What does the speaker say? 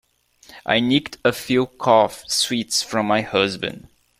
I nicked a few cough sweets from my husband.